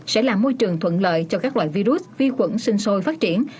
sẽ là môi trường thuận lợi cho các loại virus vi khuẩn sinh sôi phát triển